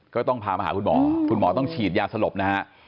ก็ต้องพามาหาคุณหมอคุณหมอต้องฉีดยาสลบนะฮะ